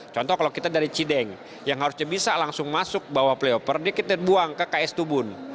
contoh kalau kita dari cideng yang harusnya bisa langsung masuk bawah playoff dia kita buang ke ks tubun